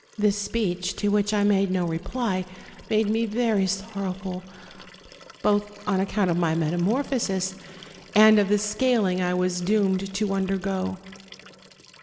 "This speech, to which I made no reply, made me very sorrowful, both on accouut of my metamorphosis, and of the scaling I was doomed to undergo.